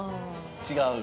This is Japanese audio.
違う？